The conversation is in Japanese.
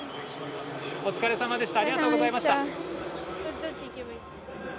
お疲れさまでした。